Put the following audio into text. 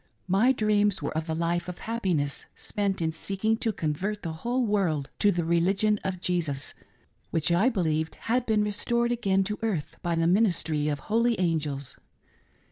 My dreams were of a life of happiness spent in seeking to convert'the whole world to the religion of Jesus, which I be lieved had been restored again to earth by the ministry of holy angels.